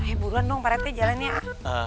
ayo buruan dong pak rete jalan ya